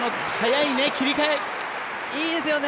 いいですよね。